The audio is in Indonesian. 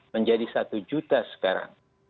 menjadi satu juta sekarang